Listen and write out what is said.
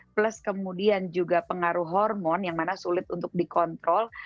plus kemudian juga pengaruh hormon yang mana sulit untuk dikontrol